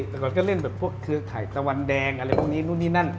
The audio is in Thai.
แต่ก่อนก็เล่นแบบพวกเครือข่ายตะวันแดงอะไรพวกนี้นู่นนี่นั่น